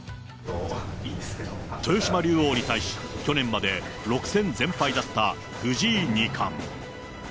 豊島竜王に対し、去年まで６戦全敗だった藤井二冠。